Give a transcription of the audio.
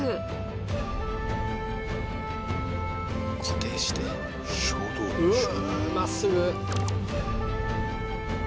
固定してまっすぐ。